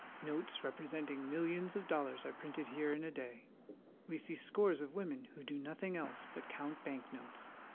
Notes represent ing millions of dollars are printed here in a day. We see scores of women who do nothing else but count bank notes.